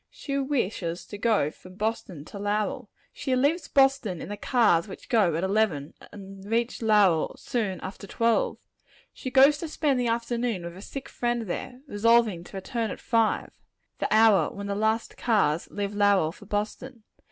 She wishes to go from Boston to Lowell. She leaves Boston in the cars which go at eleven, and reach Lowell soon after twelve. She goes to spend the afternoon with a sick friend there, resolving to return at five the hour when the last cars leave Lowell for Boston.